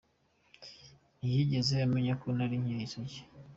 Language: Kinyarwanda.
Ntiyigeze amenya ko nari nkiri isugi.